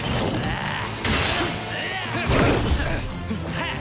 ハッ！